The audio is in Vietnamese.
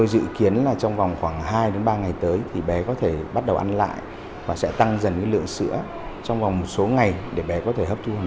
dự kiến trẻ có thể ra viện trong bảy một mươi ngày tới